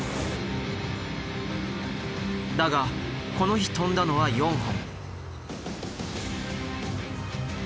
だがこの日飛んだのは４本。